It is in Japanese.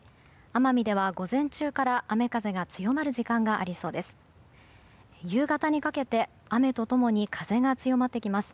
奄美では午前中から雨風が強まる時間がありそうです。